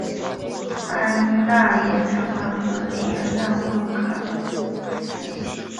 卢娜也常常和狄安娜或赫卡忒混淆在一起。